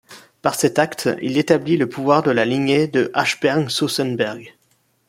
Par cet acte il établit le pouvoir de la lignée de Hachberg-Sausenberg.